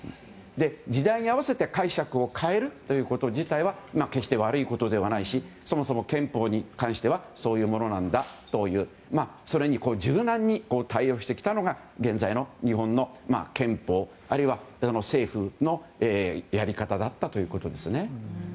時代に合わせて解釈を変えるということ自体は決して悪いことではないしそもそも憲法に関してはそういうものなんだというそれに柔軟に対応してきたのが現在の日本の憲法あるいは政府のやり方だったということですね。